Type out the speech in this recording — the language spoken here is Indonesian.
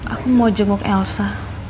aku mau jenguk elsa